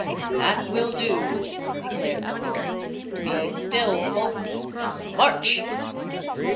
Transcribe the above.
"That will do," declared the leader. "Be still, Polk. March!"